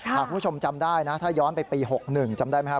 คุณผู้ชมจำได้นะถ้าย้อนไปปี๖๑จำได้ไหมครับ